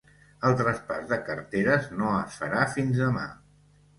El traspàs de carteres no es farà fins demà.